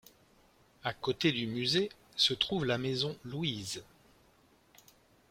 À côté du musée, se trouve la Maison Louise.